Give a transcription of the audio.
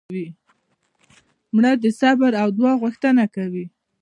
مړه د صبر او دعا غوښتنه کوي